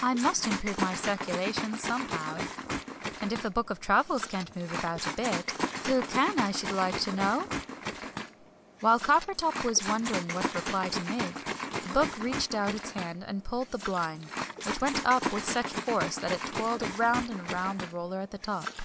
"I must improve my circulation somehow! And if a book of travels can't move about a bit, who can, I should like to know?" [Illustration: "Come along," cried Tibbs (p. 19).] While Coppertop was wondering what reply to make, the Book reached out its hand and pulled the blind, which went up with such force that it twirled round and round the roller at the top.